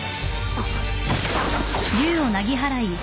あっ。